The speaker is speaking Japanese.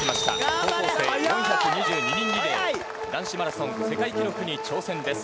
高校生４２２人リレー男子マラソン世界記録に挑戦です。